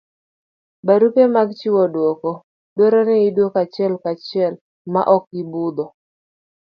barupe mag chiwo duoko dwaro ni iduoko achiel ka chiel ma ok ibudho